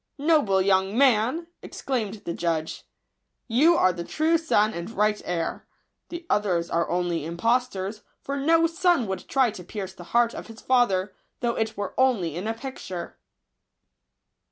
" Noble young man !" ex claimed the judge, " you are the true son and right heir, the others are only impostors ; for no son would try to pierce the heart of his father, though it were only in a picture